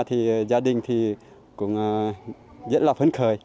thì gia đình cũng rất là phấn khởi